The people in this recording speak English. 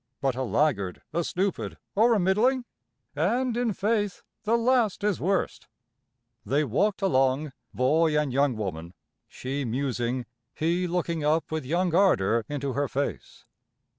But a laggard, a stupid, or a middling! And, in faith, the last is worst." They walked along, boy and young woman, she musing, he looking up with young ardor into her face.